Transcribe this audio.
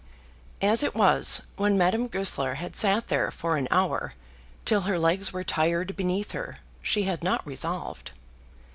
As it was, when Madame Goesler had sat there for an hour, till her legs were tired beneath her, she had not resolved.